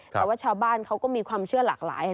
แต่ว่าชาวบ้านเขาก็มีความเชื่อหลากหลาย